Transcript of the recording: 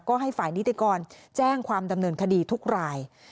ก็ให้ฝ่ายนิติกรแจ้งความดำเนินคดีทุกราย